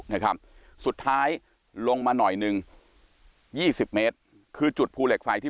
นะครับสุดท้ายลงมาหน่อยหนึ่งยี่สิบเมตรคือจุดภูเหล็กไฟที่